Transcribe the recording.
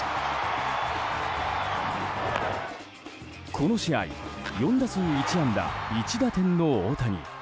この試合４打数１安打１打点の大谷。